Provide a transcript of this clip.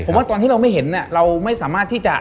ผมว่าตอนที่เราไม่เห็นเนี่ยเราไม่สามารถที่จะ